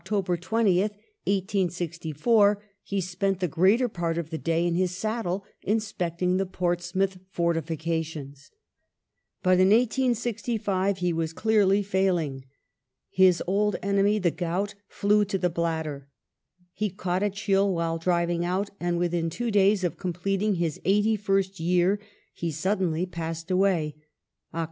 20th, 1864) he spent the greater part of the day in the 'Saddle, inspecting the Portsmouth fortifications. But in 1865 he was clearly failing. His old enemy the gout flew to the bladder. He caught a chill while driving out, and within two days of com pleting his eighty first year he suddenly passed away (Oct.